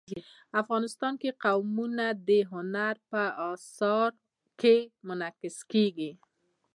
افغانستان کې قومونه د هنر په اثار کې منعکس کېږي.